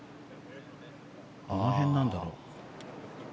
どの辺なんだろう。